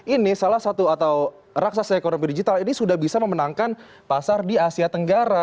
ini salah satu atau raksasa ekonomi digital ini sudah bisa memenangkan pasar di asia tenggara